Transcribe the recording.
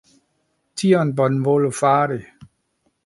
Tion... Bonvolu fari...